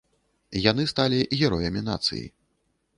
Яны сталі героямі нацыі.